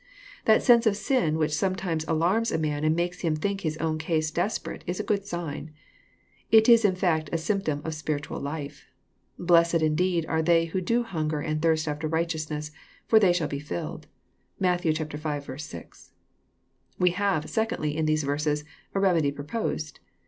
That sense of sin which sometimes alarms a man and makes him think his own case desperate, is a good sign. It is in fact a symp tom of spiritual life :" Blessed indeed are they which do hunger and thirst after righteousness, for they shall be filled." (Matt. v. 6.) We have, secondly, in these verses, a remedy proposed.